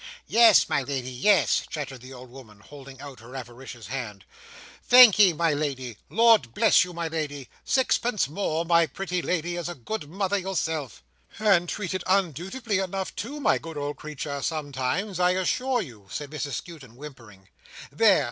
"Yes, my Lady, yes," chattered the old woman, holding out her avaricious hand. "Thankee, my Lady. Lord bless you, my Lady. Sixpence more, my pretty Lady, as a good mother yourself." "And treated undutifully enough, too, my good old creature, sometimes, I assure you," said Mrs Skewton, whimpering. "There!